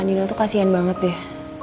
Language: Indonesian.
andino tuh kasihan banget deh